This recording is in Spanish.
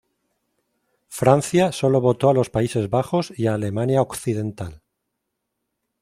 Francia sólo votó a los Países Bajos y a Alemania Occidental.